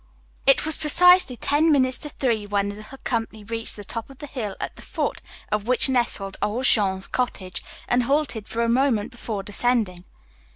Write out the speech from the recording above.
It was precisely ten minutes to three when the little company reached the top of the hill at the foot of which nestled old Jean's cottage, and halted for a moment before descending.